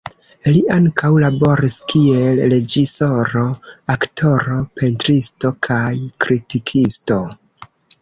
Li ankaŭ laboris kiel reĝisoro, aktoro, pentristo kaj kritikisto.